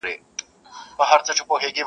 • بې وریځو چي را اوري له اسمانه داسي غواړم,